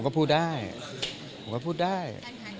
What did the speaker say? กลายเป็นไฮโซโค้นทำชีวิตได้